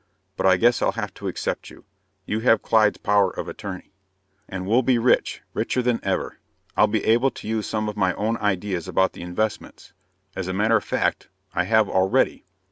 "But I guess I'll have to accept you. You have Clyde's power of attorney." "And we'll be rich. Richer than ever. I'll be able to use some of my own ideas about the investments. As a matter of fact, I have already."